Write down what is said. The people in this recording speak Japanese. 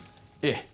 ええ。